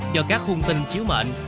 do các khung tình chiếu mệnh